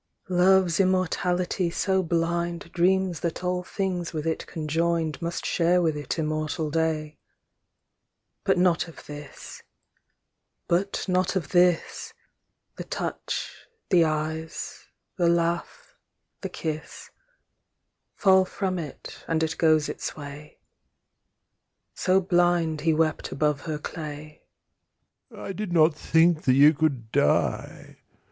Love's immortality so blind Dreams that all things with it conjoined Must share with it immortal day: But not of this but not of this The touch, the eyes, the laugh, the kiss, Fall from it and it goes its way. So blind he wept above her clay, 'I did not think that you could die.